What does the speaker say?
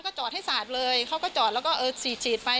ก็จอดให้สาดเลยเขาก็จอดแล้วก็สีดไป